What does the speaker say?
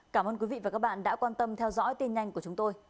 cảm ơn quý vị và các bạn đã quan tâm theo dõi tin nhanh của chúng tôi